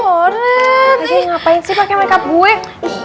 kalau ole z ancestri juga tahu kalau bokap lo itu sakti abis